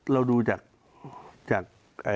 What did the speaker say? เราดูจาก